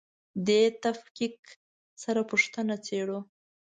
دې تفکیک سره پوښتنه څېړو.